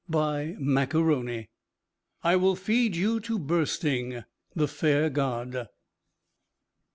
BY MAC A'RONY. I will feed you to bursting. _The Fair God.